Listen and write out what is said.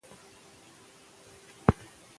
تولستوی د خلکو په زړونو کې ځای لري.